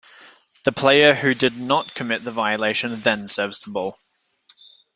The player who did not commit the violation then serves the ball.